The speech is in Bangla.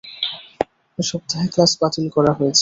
এ সপ্তাহে ক্লাস বাতিল করা হয়েছে।